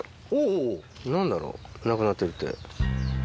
何だろうなくなってるって。